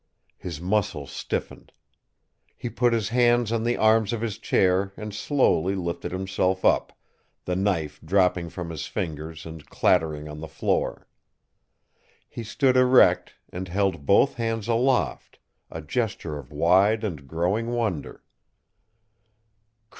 His muscles stiffened; he put his hands on the arms of his chair and slowly lifted himself up, the knife dropping from his fingers and clattering on the floor. He stood erect and held both hands aloft, a gesture of wide and growing wonder.